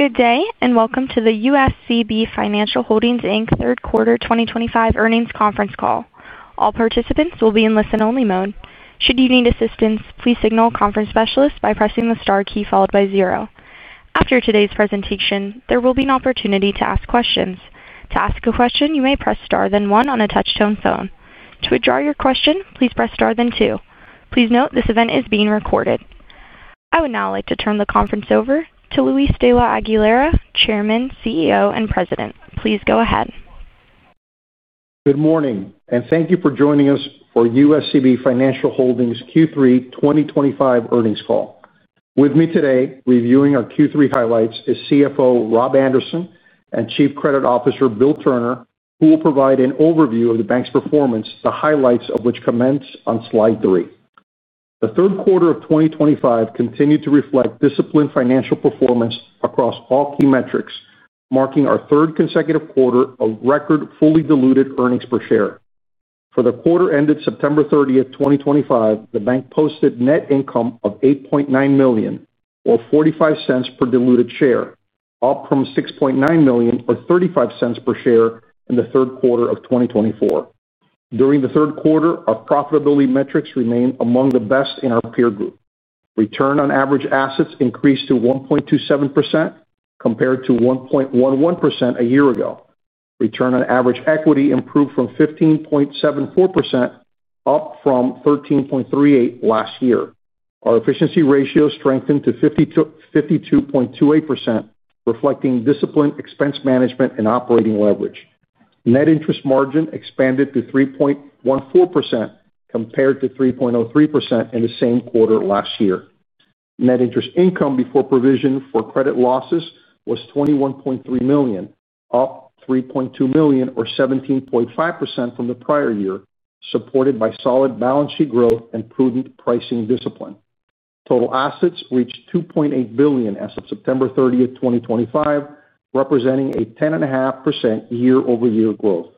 Good day, and welcome to the USCB Financial Holdings, Inc. Third Quarter 2025 Earnings Conference Call. All participants will be in listen-only mode. Should you need assistance, please signal a conference specialist by pressing the star key followed by zero. After today's presentation, there will be an opportunity to ask questions. To ask a question, you may press star, then one on a touch-tone phone. To withdraw your question, please press star, then two. Please note this event is being recorded. I would now like to turn the conference over to Luis de la Aguilera, Chairman, CEO, and President. Please go ahead. Good morning, and thank you for joining us for USCB Financial Holdings Q3 2025 Earnings Call. With me today reviewing our Q3 highlights is CFO Rob Anderson and Chief Credit Officer Bill Turner, who will provide an overview of the bank's performance, the highlights of which commence on slide three. The third quarter of 2025 continued to reflect disciplined financial performance across all key metrics, marking our third consecutive quarter of record fully diluted earnings per share. For the quarter ended September 30th, 2025, the bank posted net income of $8.9 million or $0.45 per diluted share, up from $6.9 million or $0.35 per share in the third quarter of 2024. During the third quarter, our profitability metrics remained among the best in our peer group. Return on average assets increased to 1.27% compared to 1.11% a year ago. Return on average equity improved to 15.74%, up from 13.38% last year. Our efficiency ratio strengthened to 52.28%, reflecting disciplined expense management and operating leverage. Net interest margin expanded to 3.14% compared to 3.03% in the same quarter last year. Net interest income before provision for credit losses was $21.3 million, up $3.2 million or 17.5% from the prior year, supported by solid balance sheet growth and prudent pricing discipline. Total assets reached $2.8 billion as of September 30th, 2025, representing a 10.5% year-over-year growth.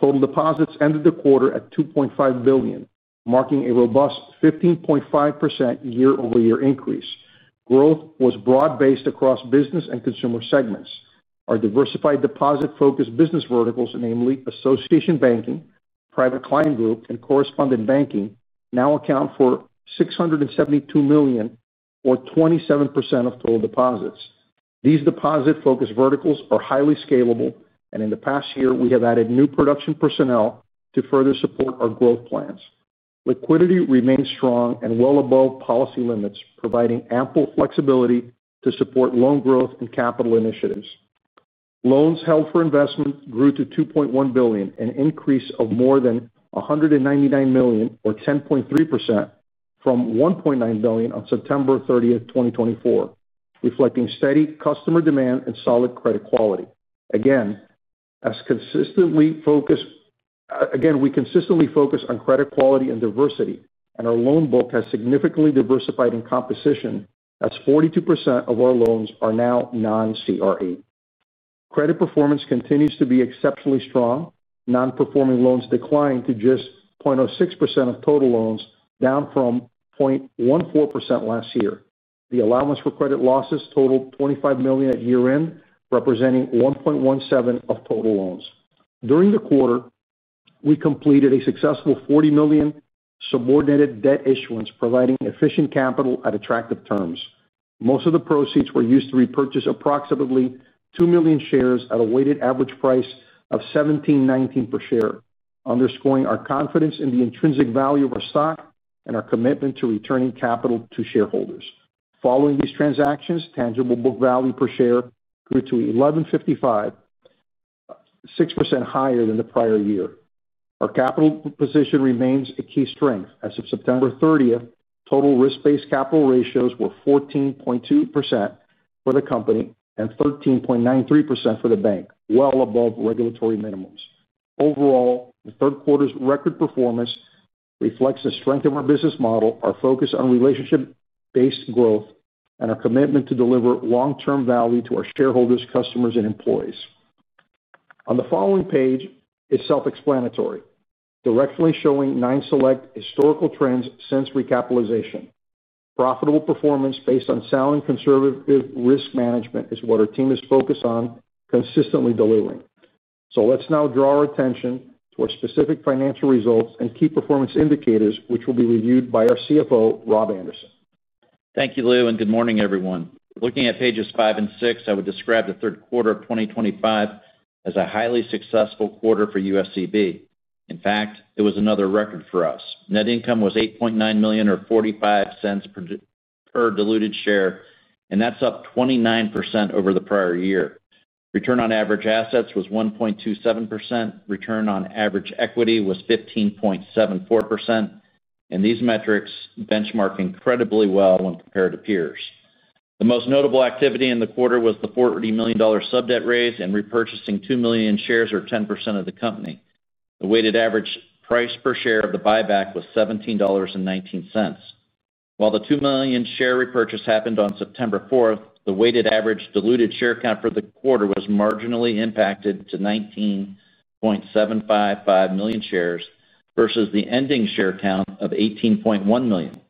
Total deposits ended the quarter at $2.5 billion, marking a robust 15.5% year-over-year increase. Growth was broad-based across business and consumer segments. Our diversified deposit-focused business verticals, namely association banking, private client group, and correspondent banking, now account for $672 million or 27% of total deposits. These deposit-focused verticals are highly scalable, and in the past year, we have added new production personnel to further support our growth plans. Liquidity remains strong and well above policy limits, providing ample flexibility to support loan growth and capital initiatives. Loans held for investment grew to $2.1 billion, an increase of more than $199 million or 10.3% from $1.9 billion on September 30th, 2024, reflecting steady customer demand and solid credit quality. Again, as consistently focused on credit quality and diversity, our loan book has significantly diversified in composition, as 42% of our loans are now non-CRE. Credit performance continues to be exceptionally strong. Non-performing loans declined to just 0.06% of total loans, down from 0.14% last year. The allowance for credit losses totaled $25 million at year-end, representing 1.17% of total loans. During the quarter, we completed a successful $40 million subordinated debt issuance, providing efficient capital at attractive terms. Most of the proceeds were used to repurchase approximately 2 million shares at a weighted average price of $17.19 per share, underscoring our confidence in the intrinsic value of our stock and our commitment to returning capital to shareholders. Following these transactions, tangible book value per share grew to $11.55, 6% higher than the prior year. Our capital position remains a key strength. As of September 30th, total risk-based capital ratios were 14.2% for the company and 13.93% for the bank, well above regulatory minimums. Overall, the third quarter's record performance reflects the strength of our business model, our focus on relationship-based growth, and our commitment to deliver long-term value to our shareholders, customers, and employees. On the following page, it's self-explanatory, directly showing nine select historical trends since recapitalization. Profitable performance based on sound and conservative risk management is what our team is focused on consistently delivering. Let's now draw our attention to our specific financial results and key performance indicators, which will be reviewed by our CFO, Rob Anderson. Thank you, Lou, and good morning, everyone. Looking at pages five and six, I would describe the third quarter of 2025 as a highly successful quarter for USCB Financial Holdings, Inc. In fact, it was another record for us. Net income was $8.9 million or $0.45 per diluted share, and that's up 29% over the prior year. Return on average assets was 1.27%. Return on average equity was 15.74%, and these metrics benchmark incredibly well when compared to peers. The most notable activity in the quarter was the $40 million subject raise and repurchasing 2 million shares or 10% of the company. The weighted average price per share of the buyback was $17.19. While the 2 million share repurchase happened on September 4th, the weighted average diluted share count for the quarter was marginally impacted to 19.755 million shares versus the ending share count of 18.1 million.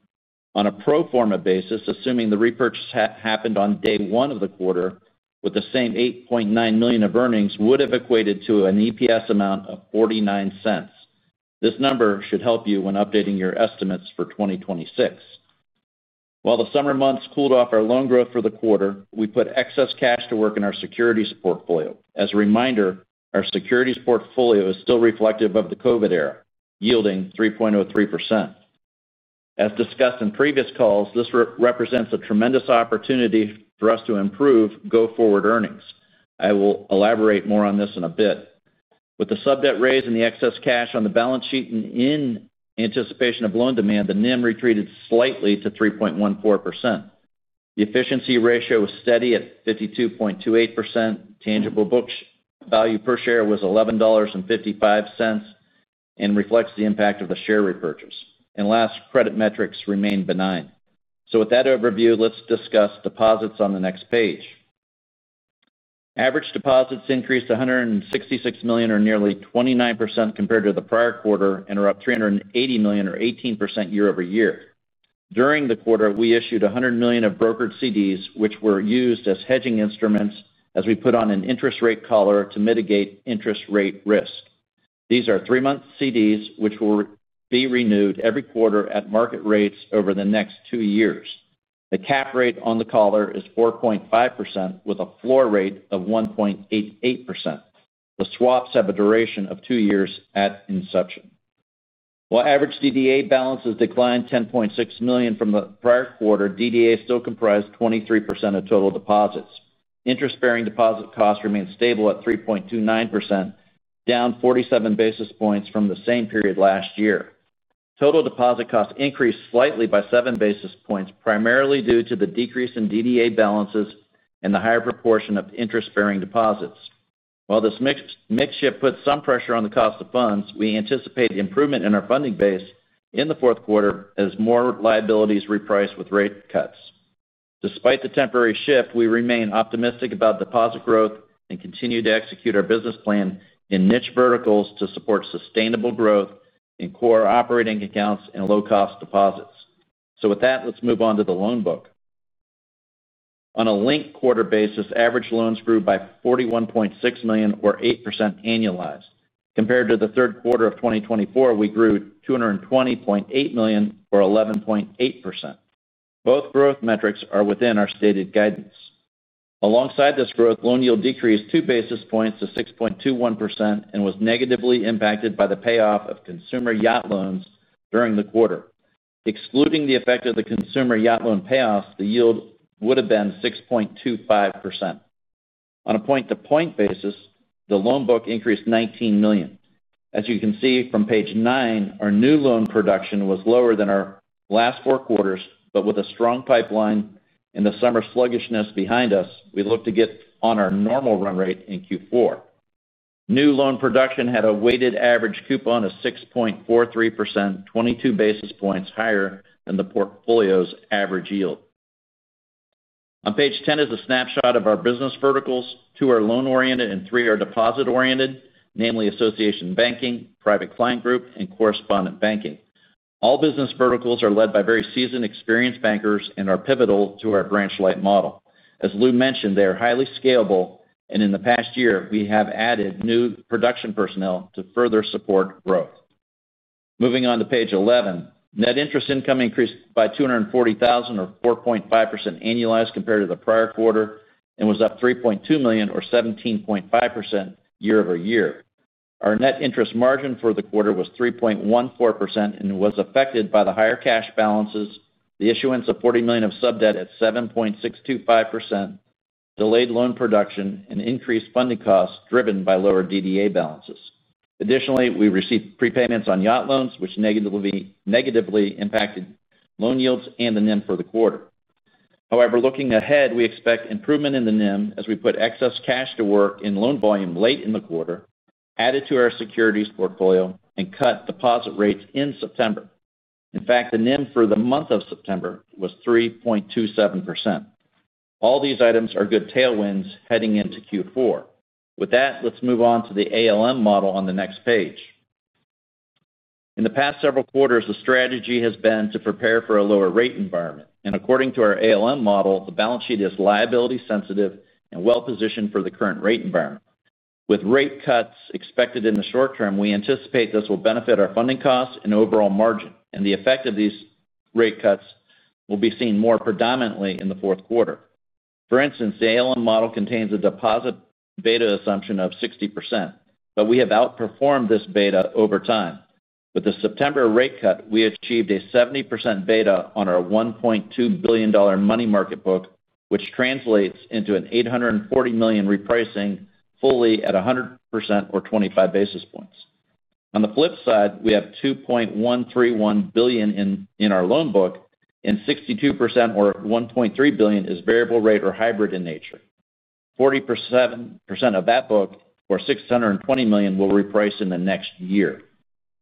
On a pro forma basis, assuming the repurchase happened on day one of the quarter, with the same $8.9 million of earnings, would have equated to an EPS amount of $0.49. This number should help you when updating your estimates for 2026. While the summer months cooled off our loan growth for the quarter, we put excess cash to work in our securities portfolio. As a reminder, our securities portfolio is still reflective of the COVID-era, yielding 3.03%. As discussed in previous calls, this represents a tremendous opportunity for us to improve go-forward earnings. I will elaborate more on this in a bit. With the subject raise and the excess cash on the balance sheet in anticipation of loan demand, the net interest margin (NIM) retreated slightly to 3.14%. The efficiency ratio was steady at 52.28%. Tangible book value per share was $11.55 and reflects the impact of the share repurchase. Last, credit metrics remain benign. With that overview, let's discuss deposits on the next page. Average deposits increased to $166 million or nearly 29% compared to the prior quarter and are up $380 million or 18% year over year. During the quarter, we issued $100 million of brokered CDs, which were used as hedging instruments as we put on an interest rate collar to mitigate interest rate risk. These are three-month CDs, which will be renewed every quarter at market rates over the next two years. The cap rate on the collar is 4.5% with a floor rate of 1.88%. The swaps have a duration of two years at inception. While average DDA balances declined $10.6 million from the prior quarter, DDA still comprised 23% of total deposits. Interest-bearing deposit cost remains stable at 3.29%, down 47 basis points from the same period last year. Total deposit cost increased slightly by 7 basis points, primarily due to the decrease in DDA balances and the higher proportion of interest-bearing deposits. While this mix shift puts some pressure on the cost of funds, we anticipate improvement in our funding base in the fourth quarter as more liabilities reprice with rate cuts. Despite the temporary shift, we remain optimistic about deposit growth and continue to execute our business plan in niche verticals to support sustainable growth in core operating accounts and low-cost deposits. Let's move on to the loan book. On a linked quarter basis, average loans grew by $41.6 million or 8% annualized. Compared to the third quarter of 2024, we grew $220.8 million or 11.8%. Both growth metrics are within our stated guidance. Alongside this growth, loan yield decreased 2 basis points to 6.21% and was negatively impacted by the payoff of consumer yacht loans during the quarter. Excluding the effect of the consumer yacht loan payoffs, the yield would have been 6.25%. On a point-to-point basis, the loan book increased $19 million. As you can see from page nine, our new loan production was lower than our last four quarters, but with a strong pipeline and the summer sluggishness behind us, we look to get on our normal run rate in Q4. New loan production had a weighted average coupon of 6.43%, 22 basis points higher than the portfolio's average yield. On page 10 is a snapshot of our business verticals. Two are loan-oriented and three are deposit-oriented, namely association banking, private client group, and correspondent banking. All business verticals are led by very seasoned, experienced bankers and are pivotal to our branch-like model. As Luis de la Aguilera mentioned, they are highly scalable, and in the past year, we have added new production personnel to further support growth. Moving on to page 11, net interest income increased by $240,000 or 4.5% annualized compared to the prior quarter and was up $3.2 million or 17.5% year-over-year. Our net interest margin for the quarter was 3.14% and was affected by the higher cash balances, the issuance of $40 million of subordinated debt at 7.625%, delayed loan production, and increased funding costs driven by lower DDA balances. Additionally, we received prepayments on yacht loans, which negatively impacted loan yields and the net interest margin for the quarter. However, looking ahead, we expect improvement in the NIM as we put excess cash to work in loan volume late in the quarter, added to our securities portfolio, and cut deposit rates in September. In fact, the NIM for the month of September was 3.27%. All these items are good tailwinds heading into Q4. With that, let's move on to the ALM model on the next page. In the past several quarters, the strategy has been to prepare for a lower rate environment, and according to our ALM model, the balance sheet is liability-sensitive and well-positioned for the current rate environment. With rate cuts expected in the short term, we anticipate this will benefit our funding costs and overall margin, and the effect of these rate cuts will be seen more predominantly in the fourth quarter. For instance, the ALM model contains a deposit beta assumption of 60%, but we have outperformed this beta over time. With the September rate cut, we achieved a 70% beta on our $1.2 billion money market book, which translates into an $840 million repricing fully at 100% or 25 basis points. On the flip side, we have $2.131 billion in our loan book, and 62% or $1.3 billion is variable rate or hybrid in nature. 47% of that book, or $620 million, will reprice in the next year.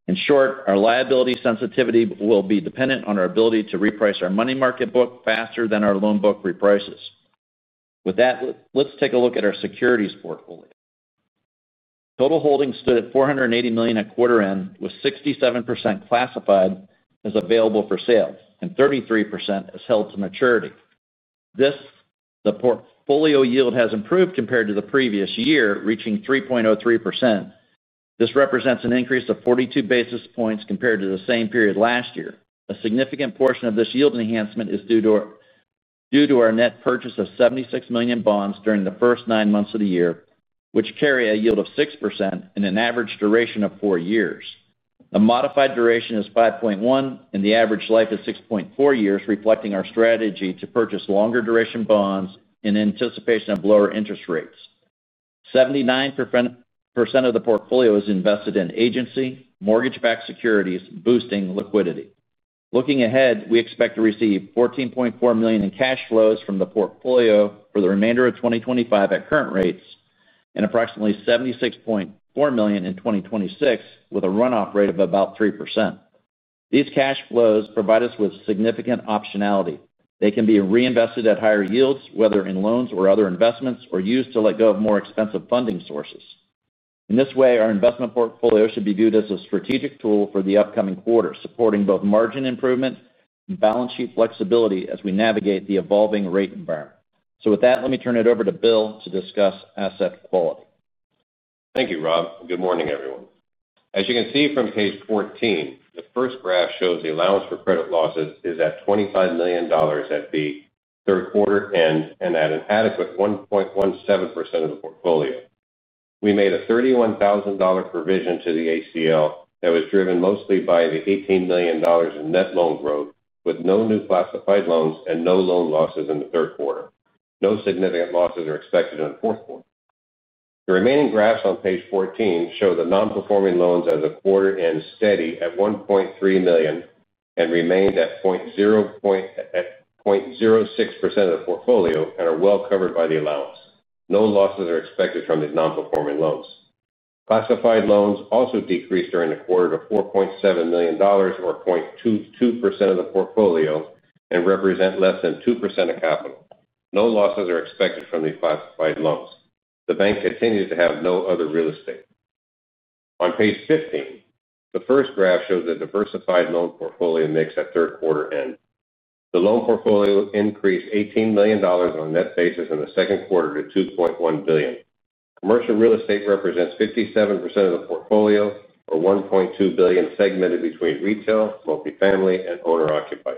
In short, our liability sensitivity will be dependent on our ability to reprice our money market book faster than our loan book reprices. With that, let's take a look at our securities portfolio. Total holdings stood at $480 million at quarter end, with 67% classified as available for sale and 33% as held to maturity. The portfolio yield has improved compared to the previous year, reaching 3.03%. This represents an increase of 42 basis points compared to the same period last year. A significant portion of this yield enhancement is due to our net purchase of $76 million bonds during the first nine months of the year, which carry a yield of 6% and an average duration of four years. The modified duration is 5.1, and the average life is 6.4 years, reflecting our strategy to purchase longer duration bonds in anticipation of lower interest rates. 79% of the portfolio is invested in agency mortgage-backed securities, boosting liquidity. Looking ahead, we expect to receive $14.4 million in cash flows from the portfolio for the remainder of 2025 at current rates, and approximately $76.4 million in 2026, with a runoff rate of about 3%. These cash flows provide us with significant optionality. They can be reinvested at higher yields, whether in loans or other investments, or used to let go of more expensive funding sources. In this way, our investment portfolio should be viewed as a strategic tool for the upcoming quarter, supporting both margin improvement and balance sheet flexibility as we navigate the evolving rate environment. Let me turn it over to Bill to discuss asset quality. Thank you, Rob. Good morning, everyone. As you can see from page 14, the first graph shows the allowance for credit losses is at $25 million at the third quarter end and at an adequate 1.17% of the portfolio. We made a $31,000 provision to the ACL that was driven mostly by the $18 million in net loan growth, with no new classified loans and no loan losses in the third quarter. No significant losses are expected in the fourth quarter. The remaining graphs on page 14 show the non-performing loans as a quarter end steady at $1.3 million and remained at 0.06% of the portfolio and are well covered by the allowance. No losses are expected from the non-performing loans. Classified loans also decreased during the quarter to $4.7 million or 0.22% of the portfolio and represent less than 2% of capital. No losses are expected from the classified loans. The bank continues to have no other real estate. On page 15, the first graph shows the diversified loan portfolio mix at third quarter end. The loan portfolio increased $18 million on net basis in the second quarter to $2.1 billion. Commercial real estate represents 57% of the portfolio or $1.2 billion segmented between retail, multifamily, and owner-occupied.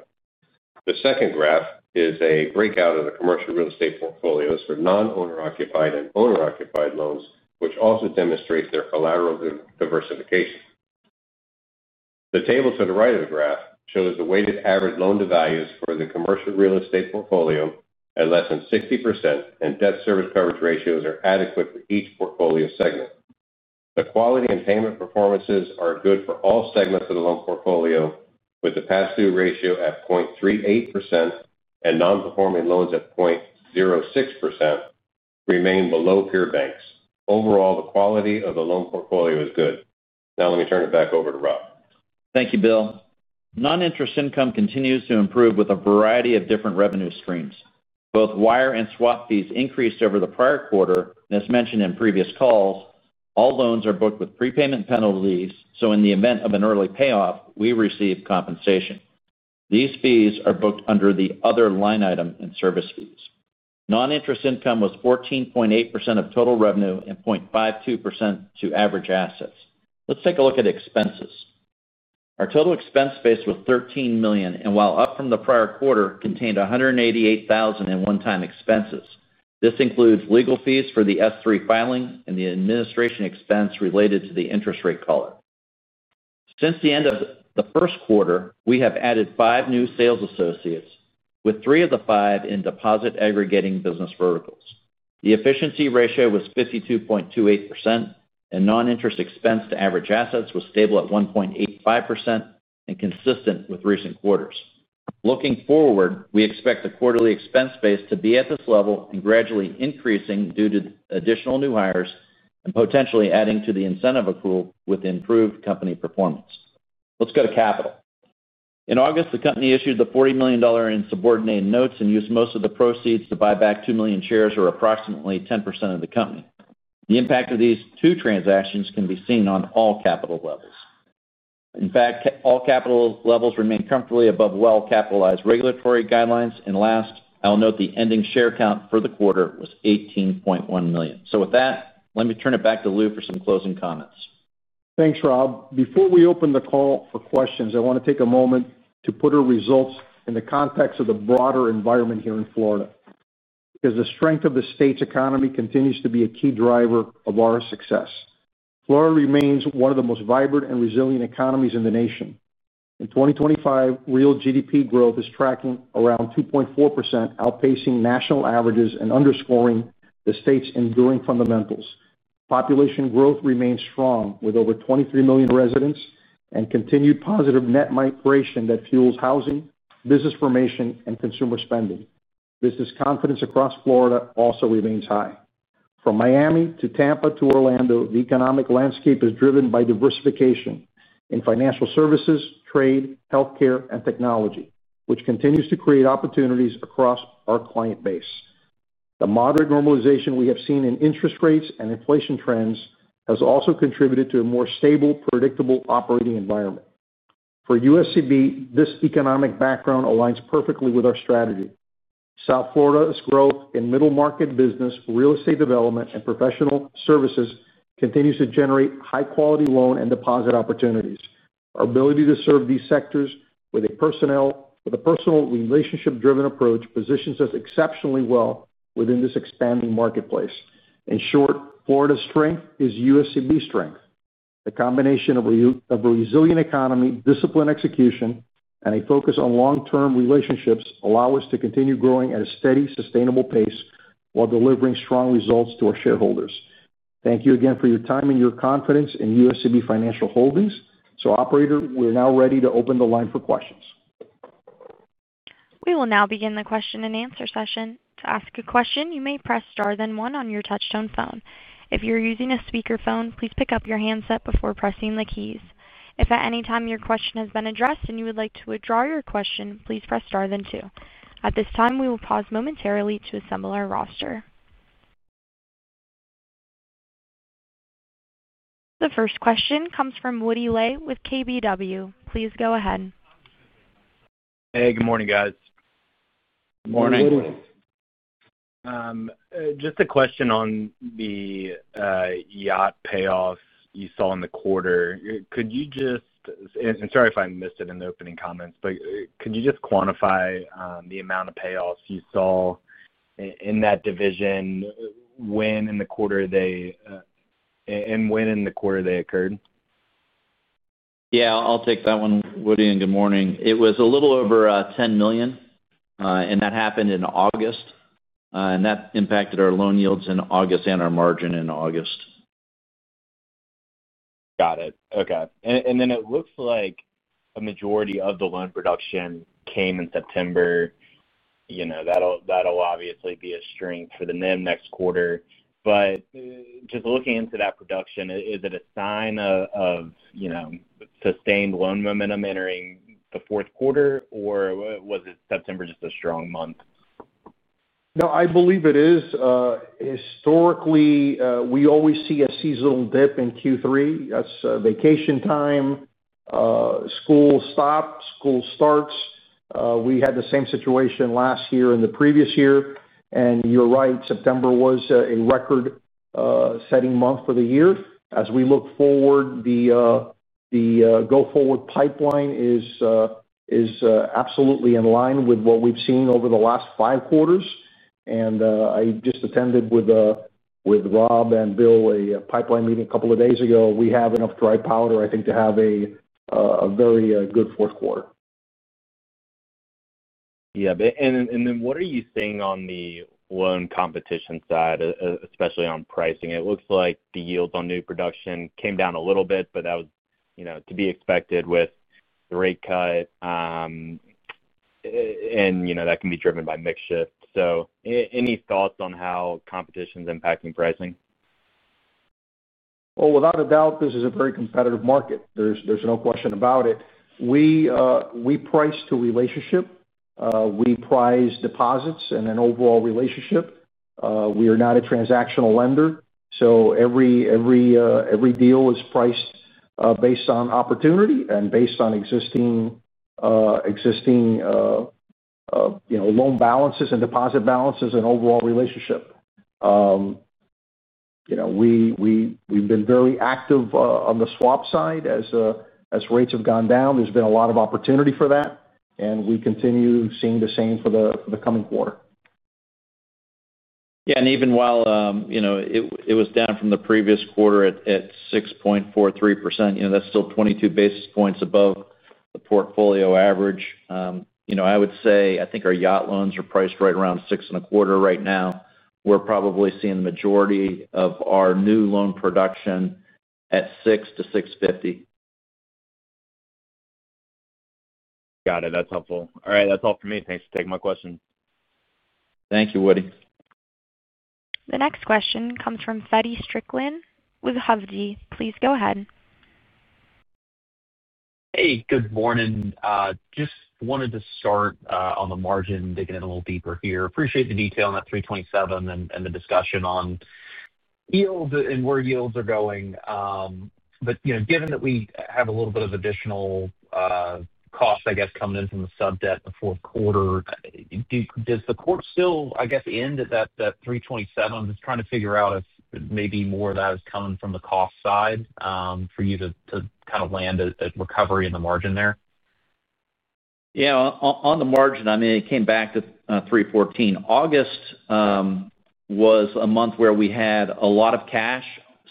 The second graph is a breakout of the commercial real estate portfolios for non-owner-occupied and owner-occupied loans, which also demonstrates their collateral diversification. The table to the right of the graph shows the weighted average loan to values for the commercial real estate portfolio at less than 60%, and debt service coverage ratios are adequate for each portfolio segment. The quality and payment performances are good for all segments of the loan portfolio, with the pass-through ratio at 0.38% and non-performing loans at 0.06% remaining below peer banks. Overall, the quality of the loan portfolio is good. Now let me turn it back over to Rob. Thank you, Bill. Non-interest income continues to improve with a variety of different revenue streams. Both wire and swap fees increased over the prior quarter, and as mentioned in previous calls, all loans are booked with prepayment penalties, so in the event of an early payoff, we receive compensation. These fees are booked under the other line item in service fees. Non-interest income was 14.8% of total revenue and 0.52% to average assets. Let's take a look at expenses. Our total expense base was $13 million, and while up from the prior quarter, contained $188,000 in one-time expenses. This includes legal fees for the S-3 filing and the administration expense related to the interest rate collar. Since the end of the first quarter, we have added five new sales associates, with three of the five in deposit aggregating business verticals. The efficiency ratio was 52.28%, and non-interest expense to average assets was stable at 1.85% and consistent with recent quarters. Looking forward, we expect the quarterly expense base to be at this level and gradually increasing due to additional new hires and potentially adding to the incentive accrual with improved company performance. Let's go to capital. In August, the company issued the $40 million in subordinated notes and used most of the proceeds to buy back 2 million shares or approximately 10% of the company. The impact of these two transactions can be seen on all capital levels. In fact, all capital levels remain comfortably above well-capitalized regulatory guidelines, and last, I'll note the ending share count for the quarter was 18.1 million. Let me turn it back to Lou for some closing comments. Thanks, Rob. Before we open the call for questions, I want to take a moment to put our results in the context of the broader environment here in Florida, because the strength of the state's economy continues to be a key driver of our success. Florida remains one of the most vibrant and resilient economies in the nation. In 2025, real GDP growth is tracking around 2.4%, outpacing national averages and underscoring the state's enduring fundamentals. Population growth remains strong, with over 23 million residents and continued positive net migration that fuels housing, business formation, and consumer spending. Business confidence across Florida also remains high. From Miami to Tampa to Orlando, the economic landscape is driven by diversification in financial services, trade, healthcare, and technology, which continues to create opportunities across our client base. The moderate normalization we have seen in interest rates and inflation trends has also contributed to a more stable, predictable operating environment. For USCB, this economic background aligns perfectly with our strategy. South Florida's growth in middle market business, real estate development, and professional services continues to generate high-quality loan and deposit opportunities. Our ability to serve these sectors with a personal relationship-driven approach positions us exceptionally well within this expanding marketplace. In short, Florida's strength is USCB's strength. The combination of a resilient economy, disciplined execution, and a focus on long-term relationships allow us to continue growing at a steady, sustainable pace while delivering strong results to our shareholders. Thank you again for your time and your confidence in USCB Financial Holdings. Operator, we're now ready to open the line for questions. We will now begin the question and answer session. To ask a question, you may press star, then one on your touch-tone phone. If you're using a speaker phone, please pick up your handset before pressing the keys. If at any time your question has been addressed and you would like to withdraw your question, please press star, then two. At this time, we will pause momentarily to assemble our roster. The first question comes from Woody Lay with Keefe, Bruyette & Woods. Please go ahead. Hey, good morning, guys. Good morning. Just a question on the yacht payoffs you saw in the quarter. Could you just, and I'm sorry if I missed it in the opening comments, quantify the amount of payoffs you saw in that division, and when in the quarter they occurred? Yeah, I'll take that one, Woody, and good morning. It was a little over $10 million, and that happened in August, and that impacted our loan yields in August and our margin in August. Got it. Okay. It looks like a majority of the loan production came in September. That'll obviously be a strength for the NIM next quarter. Just looking into that production, is it a sign of sustained loan momentum entering the fourth quarter, or was September just a strong month? No, I believe it is. Historically, we always see a seasonal dip in Q3. That's vacation time, school stops, school starts. We had the same situation last year and the previous year. You're right, September was a record-setting month for the year. As we look forward, the go-forward pipeline is absolutely in line with what we've seen over the last five quarters. I just attended with Rob and Bill a pipeline meeting a couple of days ago. We have enough dry powder, I think, to have a very good fourth quarter. Yeah. What are you seeing on the loan competition side, especially on pricing? It looks like the yields on new production came down a little bit, but that was, you know, to be expected with the rate cut. That can be driven by makeshift. Any thoughts on how competition is impacting pricing? This is a very competitive market. There's no question about it. We price to relationship. We price deposits and an overall relationship. We are not a transactional lender. Every deal is priced based on opportunity and based on existing loan balances and deposit balances and overall relationship. We've been very active on the swap side as rates have gone down. There's been a lot of opportunity for that. We continue seeing the same for the coming quarter. Even while it was down from the previous quarter at 6.43%, that's still 22 basis points above the portfolio average. I would say I think our yacht loans are priced right around 6.25% right now. We're probably seeing the majority of our new loan production at 6%-6.50%. Got it. That's helpful. All right, that's all for me. Thanks for taking my question. Thank you, Woody. The next question comes from Feddie Justin Strickland with Hovde Group, Inc. Please go ahead. Hey, good morning. I just wanted to start on the margin, digging in a little deeper here. Appreciate the detail on that 3.27% and the discussion on yield and where yields are going. You know, given that we have a little bit of additional costs, I guess, coming in from the subordinated debt in the fourth quarter, does the quarter still, I guess, end at that 3.27%? I'm just trying to figure out if maybe more of that is coming from the cost side for you to kind of land a recovery in the margin there. Yeah. On the margin, I mean, it came back to 3.14. August was a month where we had a lot of cash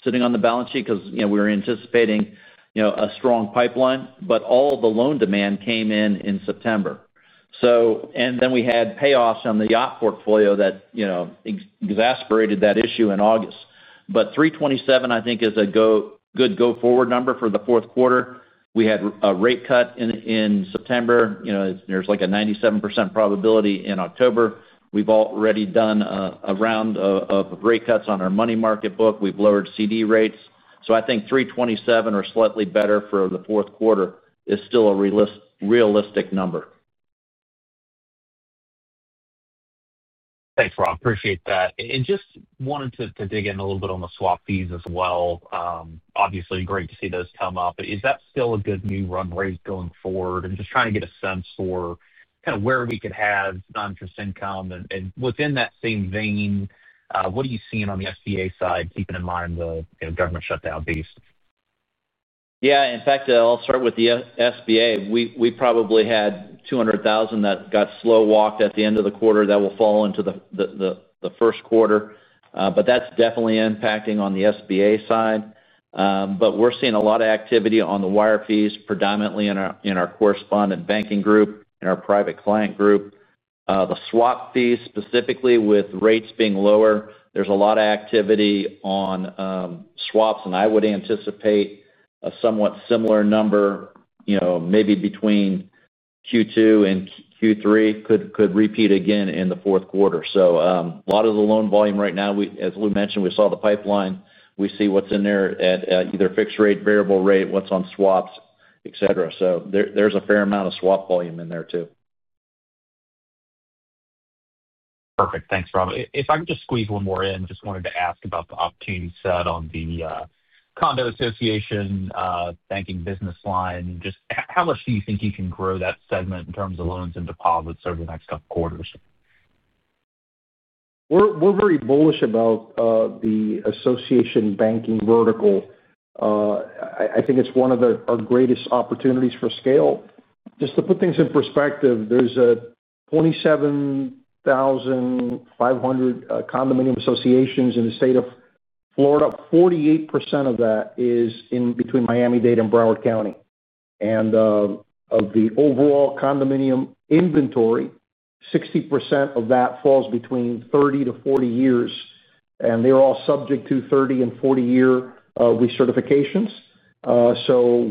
sitting on the balance sheet because, you know, we were anticipating, you know, a strong pipeline, but all of the loan demand came in in September. We had payoffs on the loan portfolio that, you know, exacerbated that issue in August. 3.27, I think, is a good go-forward number for the fourth quarter. We had a rate cut in September. You know, there's like a 97% probability in October. We've already done a round of rate cuts on our money market book. We've lowered CD rates. I think 3.27 or slightly better for the fourth quarter is still a realistic number. Thanks, Rob. Appreciate that. I just wanted to dig in a little bit on the swap fees as well. Obviously, great to see those come up. Is that still a good new run rate going forward? I'm just trying to get a sense for kind of where we could have non-interest income. Within that same vein, what are you seeing on the SBA side, keeping in mind the government shutdown piece? In fact, I'll start with the SBA. We probably had $200,000 that got slow-walked at the end of the quarter that will fall into the first quarter. That's definitely impacting on the SBA side. We're seeing a lot of activity on the wire fees, predominantly in our correspondent banking group and our private client group. The swap fees, specifically with rates being lower, there's a lot of activity on swaps, and I would anticipate a somewhat similar number, maybe between Q2 and Q3, could repeat again in the fourth quarter. A lot of the loan volume right now, as Lou mentioned, we saw the pipeline. We see what's in there at either fixed rate, variable rate, what's on swaps, etc. There's a fair amount of swap volume in there too. Perfect. Thanks, Rob. If I could just squeeze one more in, I just wanted to ask about the opportunity set on the association banking business line. Just how much do you think you can grow that segment in terms of loans and deposits over the next couple of quarters? We're very bullish about the association banking vertical. I think it's one of our greatest opportunities for scale. Just to put things in perspective, there's 27,500 condominium associations in the state of Florida. 48% of that is in between Miami-Dade and Broward County. Of the overall condominium inventory, 60% of that falls between 30 years-40 years, and they're all subject to 30 and 40-year recertifications.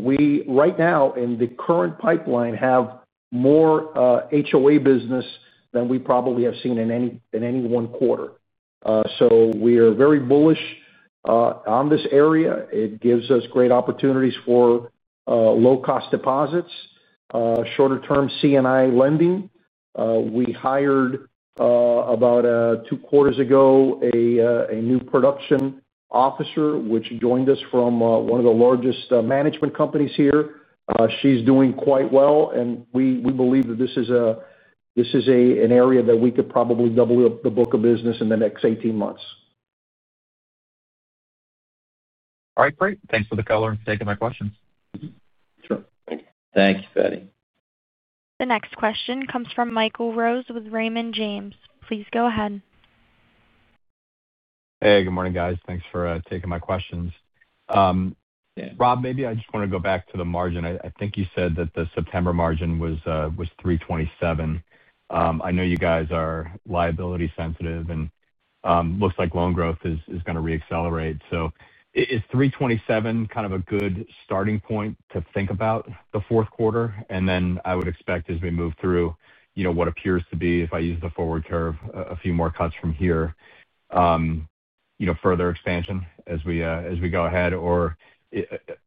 We right now in the current pipeline have more HOA business than we probably have seen in any one quarter. We are very bullish on this area. It gives us great opportunities for low-cost deposits, shorter-term CNI lending. We hired about two quarters ago a new production officer, which joined us from one of the largest management companies here. She's doing quite well, and we believe that this is an area that we could probably double up the book of business in the next 18 months. All right. Great. Thanks for the color and for taking my questions. Sure. Thank you. Thank you, Feddie. The next question comes from Michael Edward Rose with Raymond James & Associates. Please go ahead. Hey, good morning, guys. Thanks for taking my questions. Rob, maybe I just want to go back to the margin. I think you said that the September margin was 3.27%. I know you guys are liability-sensitive, and it looks like loan growth is going to re-accelerate. Is 3.27% kind of a good starting point to think about the fourth quarter? I would expect as we move through, you know, what appears to be, if I use the forward curve, a few more cuts from here, you know, further expansion as we go ahead or,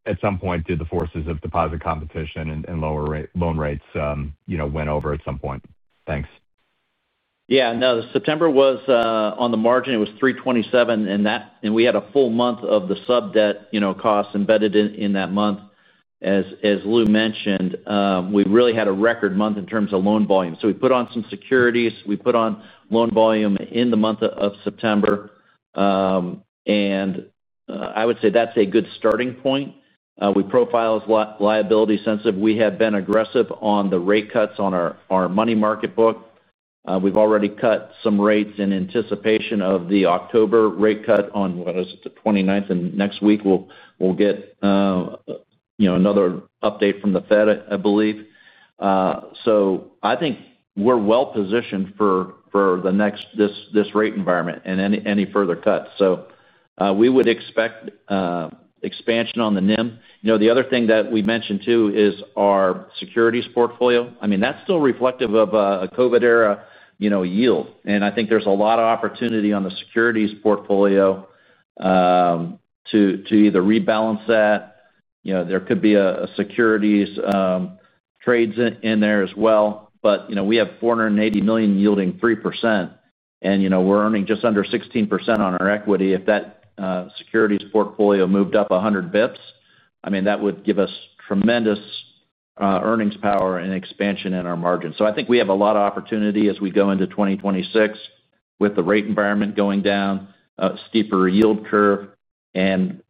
at some point, do the forces of deposit competition and lower rate loan rates win over at some point. Thanks. Yeah. No, September was, on the margin, it was 3.27%, and we had a full month of the sub debt costs embedded in that month. As Luis de la Aguilera mentioned, we really had a record month in terms of loan volume. We put on some securities, we put on loan volume in the month of September. I would say that's a good starting point. We profile as liability-sensitive. We have been aggressive on the rate cuts on our money market book. We've already cut some rates in anticipation of the October rate cut on, what is it, the 29th? Next week, we'll get another update from the Fed, I believe. I think we're well positioned for the next rate environment and any further cuts. We would expect expansion on the NIM. The other thing that we mentioned too is our securities portfolio. I mean, that's still reflective of a COVID-era yield. I think there's a lot of opportunity on the securities portfolio to either rebalance that. There could be securities trades in there as well. We have $480 million yielding 3%. We're earning just under 16% on our equity. If that securities portfolio moved up 100 bps, I mean, that would give us tremendous earnings power and expansion in our margins. I think we have a lot of opportunity as we go into 2026 with the rate environment going down, a steeper yield curve, and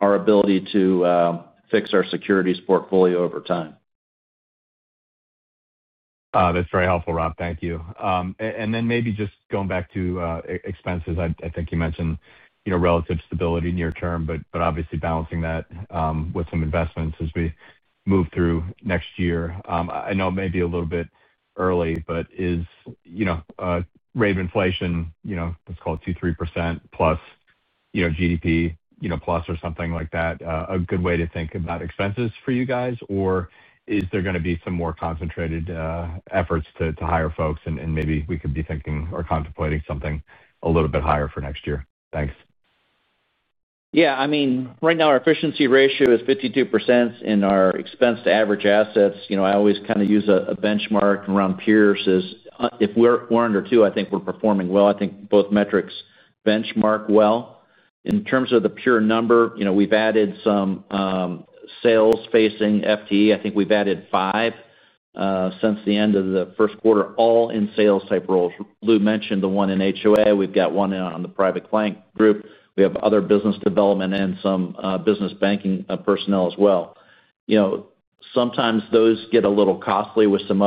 our ability to fix our securities portfolio over time. That's very helpful, Rob. Thank you. Maybe just going back to expenses, I think you mentioned relative stability near term, but obviously balancing that with some investments as we move through next year. I know it may be a little bit early, but is a rate of inflation, let's call it 2%, 3% plus GDP, plus or something like that, a good way to think about expenses for you guys? Is there going to be some more concentrated efforts to hire folks? Maybe we could be thinking or contemplating something a little bit higher for next year. Thanks. Yeah. I mean, right now our efficiency ratio is 52% and our expense to average assets. I always kind of use a benchmark around peers. If we're under two, I think we're performing well. I think both metrics benchmark well. In terms of the pure number, we've added some sales-facing FTE. I think we've added five since the end of the first quarter, all in sales type roles. Lou mentioned the one in HOA. We've got one in on the private client group. We have other business development and some business banking personnel as well. Sometimes those get a little costly with some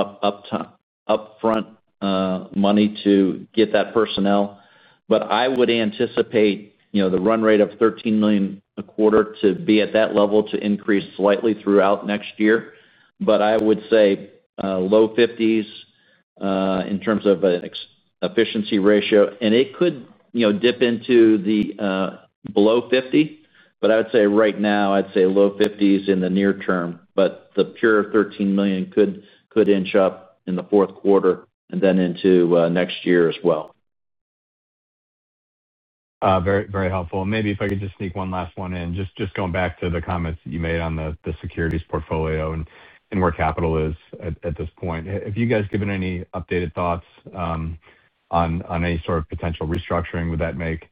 upfront money to get that personnel. I would anticipate the run rate of $13 million a quarter to be at that level to increase slightly throughout next year. I would say low 50s in terms of an efficiency ratio. It could dip into the below 50. I would say right now, I'd say low 50s in the near term. The pure $13 million could inch up in the fourth quarter and then into next year as well. Very helpful. Maybe if I could just sneak one last one in, going back to the comments that you made on the securities portfolio and where capital is at this point. Have you given any updated thoughts on any sort of potential restructuring? Would that make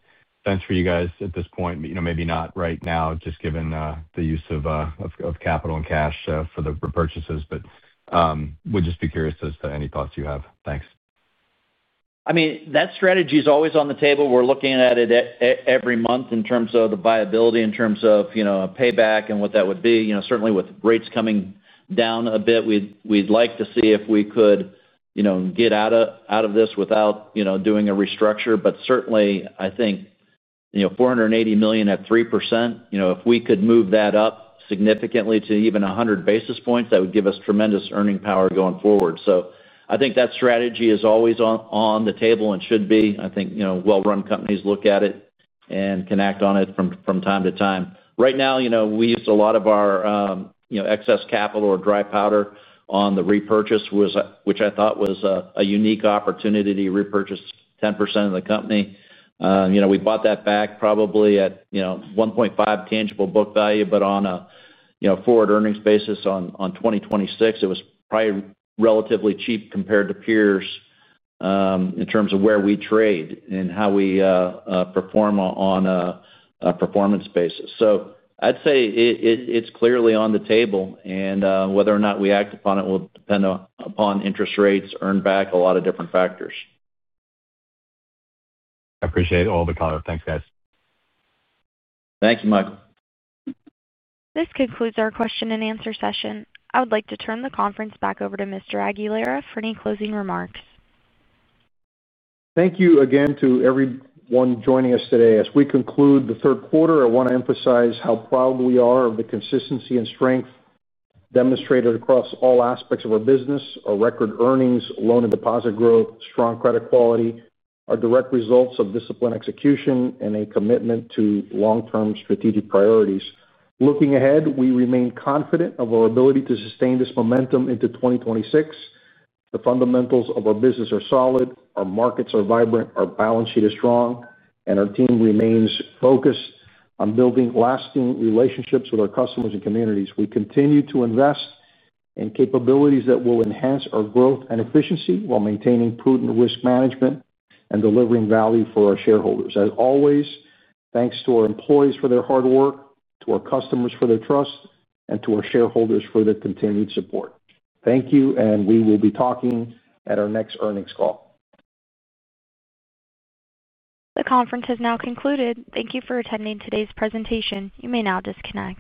sense for you at this point? Maybe not right now, just given the use of capital and cash for the purchases. I would just be curious as to any thoughts you have. Thanks. I mean that strategy is always on the table. We're looking at it every month in terms of the viability, in terms of a payback and what that would be. Certainly with rates coming down a bit, we'd like to see if we could get out of this without doing a restructure. Certainly, I think $480 million at 3%, if we could move that up significantly to even 100 basis points, that would give us tremendous earning power going forward. I think that strategy is always on the table and should be. I think well-run companies look at it and can act on it from time to time. Right now, we used a lot of our excess capital or dry powder on the repurchase, which I thought was a unique opportunity to repurchase 10% of the company. We bought that back probably at 1.5 tangible book value, but on a forward earnings basis on 2026, it was probably relatively cheap compared to peers, in terms of where we trade and how we perform on a performance basis. I'd say it's clearly on the table. Whether or not we act upon it will depend upon interest rates, earn-back, a lot of different factors. I appreciate all the color. Thanks, guys. Thank you, Michael. This concludes our question and answer session. I would like to turn the conference back over to Mr. de la Aguilera for any closing remarks. Thank you again to everyone joining us today. As we conclude the third quarter, I want to emphasize how proud we are of the consistency and strength demonstrated across all aspects of our business: our record earnings, loan and deposit growth, strong credit quality, our direct results of disciplined execution, and a commitment to long-term strategic priorities. Looking ahead, we remain confident of our ability to sustain this momentum into 2026. The fundamentals of our business are solid, our markets are vibrant, our balance sheet is strong, and our team remains focused on building lasting relationships with our customers and communities. We continue to invest in capabilities that will enhance our growth and efficiency while maintaining prudent risk management and delivering value for our shareholders. As always, thanks to our employees for their hard work, to our customers for their trust, and to our shareholders for their continued support. Thank you, and we will be talking at our next earnings call. The conference has now concluded. Thank you for attending today's presentation. You may now disconnect.